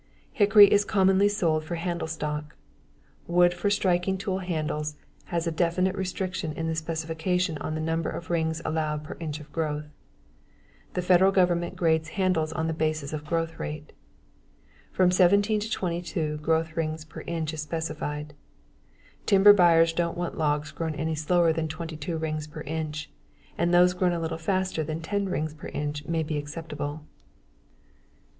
Hickory is commonly sold for handle stock. Wood for striking tool handles has a definite restriction in the specifications on the number of rings allowed per inch of growth. The Federal Government grades handles on the basis of growth rate. From 17 to 22 growth rings per inch is specified. Timber buyers don't want logs grown any slower than 22 rings per inch and those grown a little faster than ten rings per inch may be acceptable.